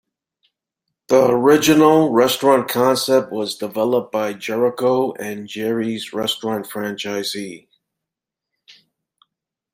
The original restaurant concept was developed by Jerrico and a Jerry's Restaurant franchisee.